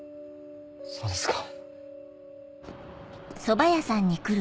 そうですか。